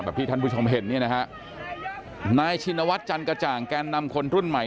ที่ท่านผู้ชมเห็นเนี่ยนะฮะนายชินวัฒน์จันกระจ่างแกนนำคนรุ่นใหม่